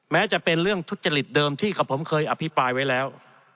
แม้จะเป็นเรื่องทุจริตเดิมที่กับผมเคยอภิปรายไว้แล้ว